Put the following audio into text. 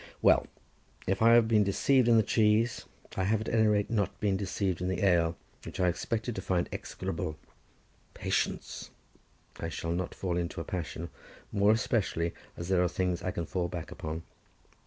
Well! if I have been deceived in the cheese, I have at any rate not been deceived in the ale, which I expected to find execrable. Patience! I shall not fall into a passion, more especially as there are things I can fall back upon.